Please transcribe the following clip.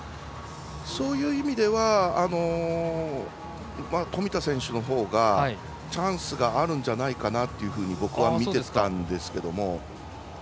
そういう意味では富田選手のほうがチャンスがあるんじゃないかなと僕は見ていたんですけど。